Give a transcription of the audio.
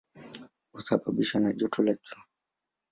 Husababishwa na joto la jua.